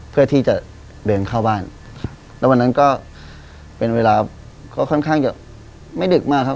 เพื่อที่จะเดินเข้าบ้านครับแล้ววันนั้นก็เป็นเวลาก็ค่อนข้างจะไม่ดึกมากครับ